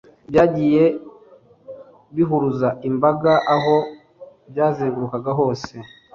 Byagiye bihuruza imbaga aho byazengurukaga hose